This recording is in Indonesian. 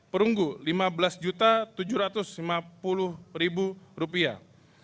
perunggu lima belas tujuh ratus lima puluh rupiah